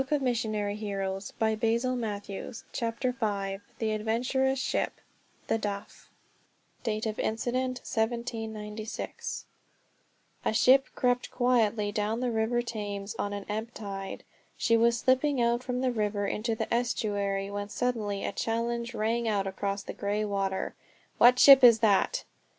Book Two: THE ISLAND ADVENTURERS CHAPTER V THE ADVENTUROUS SHIP The Duff (Date of Incident, 1796) A ship crept quietly down the River Thames on an ebb tide. She was slipping out from the river into the estuary when suddenly a challenge rang out across the grey water. "What ship is that?"